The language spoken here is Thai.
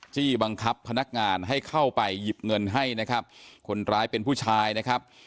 จี้บังคับพนักงานให้เข้าไปหยิบเงินให้นะครับคนร้ายเป็นผู้ชายนะครับ